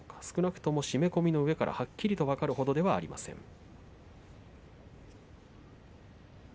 少なくとも締め込みの上からはっきりと分かるほどではありません。